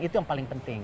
itu yang paling penting